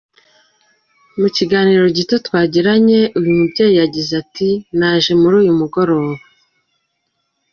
Mu kiganiro gito twagiranye, uyu mubyeyi yagize ati : “Naje muri uyu mugoroba.